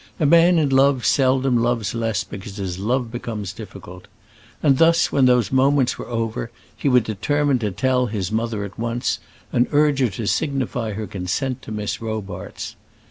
A man in love seldom loves less because his love becomes difficult. And thus, when those moments were over, he would determine to tell his mother at once, and urge her to signify her consent to Miss Robarts.